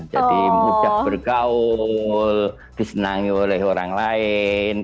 jadi mudah bergaul disenangi oleh orang lain